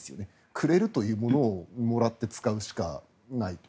くれるというものをもらって使うしかないと。